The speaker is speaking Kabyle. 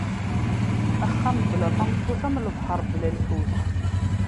Axxam bla tameṭṭut am lebḥer bla lḥut.